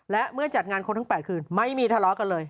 และเมื่อจัดงานคนทั้ง๘คืนไม่มีทะเลาะกันเลย